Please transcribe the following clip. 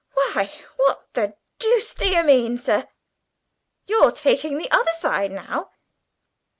Why, what the dooce do you mean, sir? You're taking the other side now!"